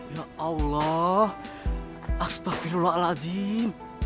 ya allah astaghfirullahaladzim